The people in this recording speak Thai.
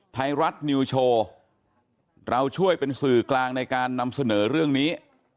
ไทยรัฐนิวโชว์เราช่วยเป็นสื่อกลางในการนำเสนอเรื่องนี้